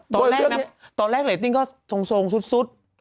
ตอนแรกเนี้ยตอนแรกเรตติ้งก็ทรงทรงทรุดทรุด